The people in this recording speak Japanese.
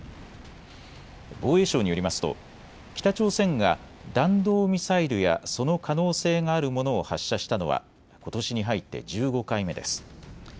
防衛省によりますと北朝鮮が弾道ミサイルやその可能性があるものを発射したのはことしに入って１５回目です。